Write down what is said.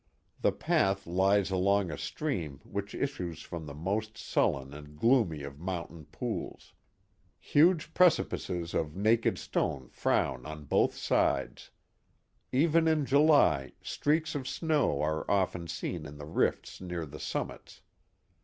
The path lies along a stream which issues from the most sullen and gloomy of mountain pools. Huge precipices of naked stone frown on both sides. Even in July streaks of snow are often seen in the rifts near the summits.